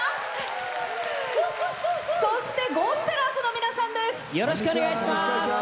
そしてゴスペラーズの皆さんです。